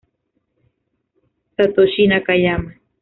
Satoshi Nakayama